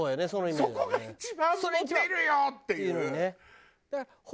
そこが一番モテるよ！っていう。